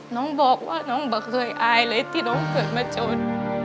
น้องบอกว่าน้องบอกเคยอายเลยที่น้องเกิดมาจน